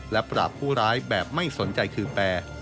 และปราบผู้ร้ายแบบไม่สนใจคือแปร